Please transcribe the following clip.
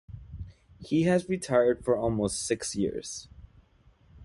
He has retired for almost six years.